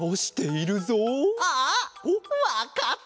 あわかった！